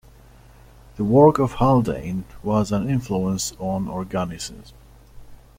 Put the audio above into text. The work of Haldane was an influence on organicism.